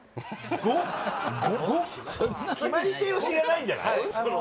５？決まり手を知らないんじゃない？